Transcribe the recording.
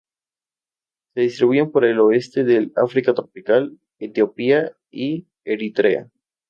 Se distribuyen por el oeste del África tropical, Etiopía y Eritrea.